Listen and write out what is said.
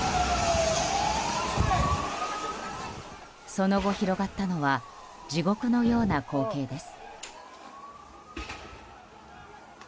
その後、広がったのは地獄のような光景です。